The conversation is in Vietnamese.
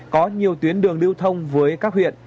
có nhiều tuyến đường lưu thông với các huyện